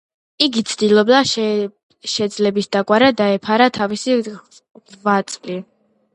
იგი ცდილობდა, შეძლებისდაგვარად დაეფარა თავისი ღვაწლი.